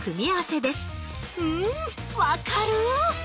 うん分かる！